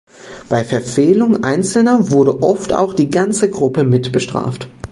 Bei Verfehlungen einzelner wurde oft auch die ganze Gruppe mit bestraft.